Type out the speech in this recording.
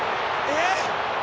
えっ？